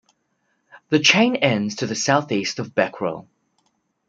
The chain ends to the southeast of Becquerel.